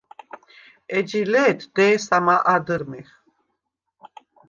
ეჯი ლე̄თ დე̄სამა ადჷრმეხ.